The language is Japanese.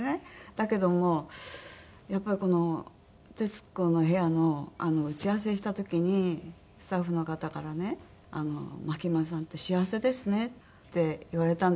だけどもやっぱりこの『徹子の部屋』の打ち合わせした時にスタッフの方からね「牧村さんって幸せですね」って言われたんですよ。